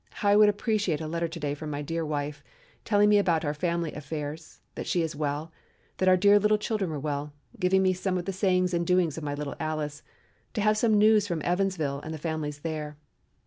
How I would appreciate a letter to day from my dear wife, telling me about our family affairs, that she was well, that our dear little children were well, giving me some of the sayings and doings of my little Alice, to have some news from Evansville and the families there.